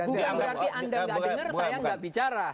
bukan berarti anda nggak dengar saya nggak bicara